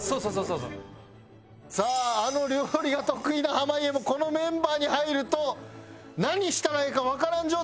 さああの料理が得意な濱家もこのメンバーに入ると何したらええかわからん状態になってます。